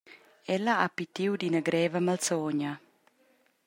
Ella ha pitiu d’ina greva malsogna.